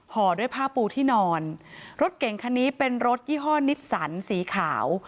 ห่อด้วยผ้าปูที่นอนรถเก่งคันนี้เป็นรถยี่ห้อนิสสันสีขาว